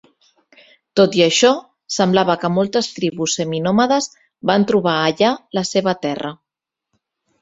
Tot i això, semblava que moltes tribus seminòmades van trobar allà la seva terra.